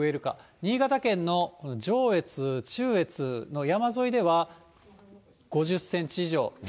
新潟県の上越、中越の山沿いでは、５０センチ以上。